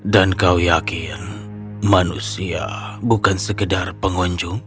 dan kau yakin manusia bukan sekedar pengunjung